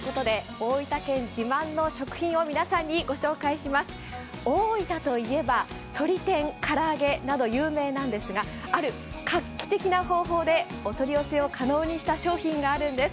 大分といえば、鶏天、唐揚げなど有名なんですがある画期的な方法でお取り寄せを可能にした商品があるんです。